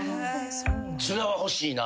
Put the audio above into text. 津田は欲しいな。